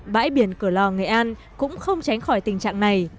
bãi biển cửa lò nghệ an cũng không tránh khỏi tình trạng này